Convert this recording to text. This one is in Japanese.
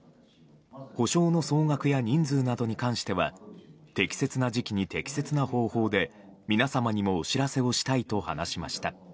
補償の総額や人数などに関しては適切な時期に適切な方法で皆様にもお知らせをしたいと話しました。